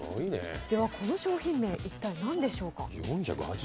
この商品名、一体何でしょうか。